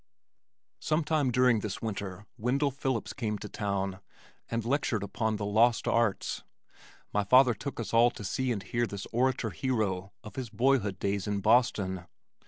Sometime during this winter Wendell Phillips came to town and lectured on The Lost Arts. My father took us all to see and hear this orator hero of his boyhood days in Boston.